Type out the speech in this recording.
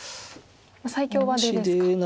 最強は出ですか。